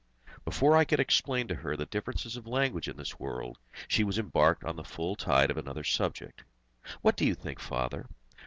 Before I could explain to her the differences of language in this world, she was embarked on the full tide of another subject. "What do you think, Father?